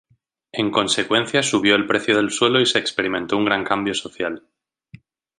En consecuencia subió el precio del suelo y se experimentó un gran cambio social.